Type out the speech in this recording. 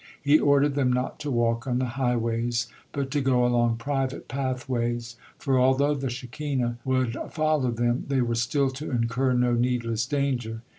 He ordered them not to walk on the highways, but to go along private pathways, for although the Shekinah would follow them, they were still to incur no needless danger.